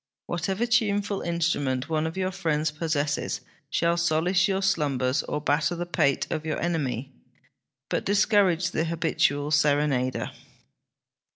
Whatever tuneful instrument one of your friends possesses shall solace your slumbers or batter the pate of your enemy. But discourage the habitual serenader.'